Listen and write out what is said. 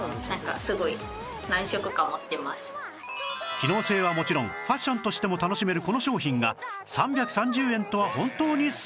機能性はもちろんファッションとしても楽しめるこの商品が３３０円とは本当にすごい！